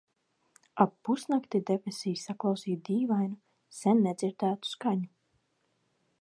Ap pusnakti debesīs saklausīju dīvainu, sen nedzirdētu skaņu.